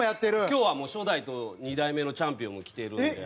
今日はもう初代と２代目のチャンピオンも来てるので。